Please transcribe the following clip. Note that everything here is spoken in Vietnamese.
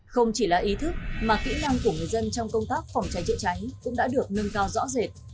không chỉ là ý thức mà kỹ năng của người dân trong công tác phòng cháy chữa cháy cũng đã được nâng cao rõ rệt